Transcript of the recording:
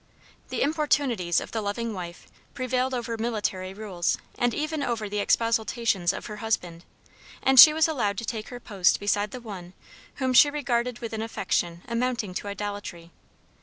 The importunities of the loving wife prevailed over military rules and even over the expostulations of her husband, and she was allowed to take her post beside the one whom she regarded with an affection amounting to idolatry.